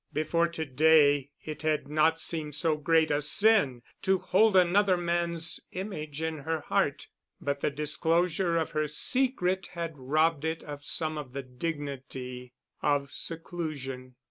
Before to day it had not seemed so great a sin to hold another man's image in her heart, but the disclosure of her secret had robbed it of some of the dignity of seclusion.